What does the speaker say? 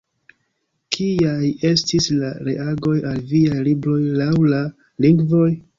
Kiaj estis la reagoj al viaj libroj laŭ la lingvoj?